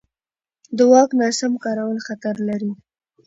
د واک ناسم کارول خطر لري